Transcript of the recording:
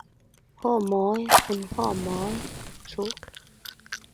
“Homoj kun homoj”, ĉu?